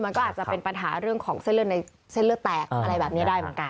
มันก็อาจจะเป็นปัญหาเรื่องของเส้นเลือดในเส้นเลือดแตกอะไรแบบนี้ได้เหมือนกัน